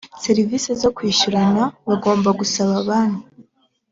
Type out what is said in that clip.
serivisi zo kwishyurana bagomba gusaba banki